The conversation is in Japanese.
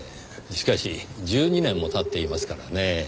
しかし１２年も経っていますからねぇ。